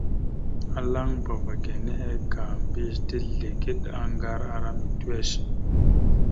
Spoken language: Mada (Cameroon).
Alaŋbava ge nehe ka mbiyez tezligeɗ aŋgar ara mitiʉwesh.